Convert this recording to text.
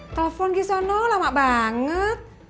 telepon di sana lama banget